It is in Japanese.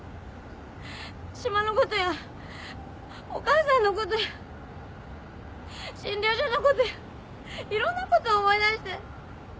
島のことやお母さんのことや診療所のことやいろんなこと思い出して。